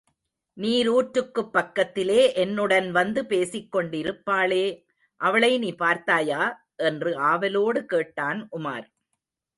நீருற்றுக்குப் பக்கத்திலே என்னுடன் வந்து பேசிக் கொண்டிருப்பாளே அவளை நீ பார்த்தாயா? என்று ஆவலோடு கேட்டான், உமார்.